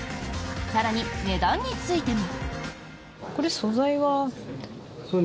更に値段についても。